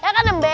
iya kan embe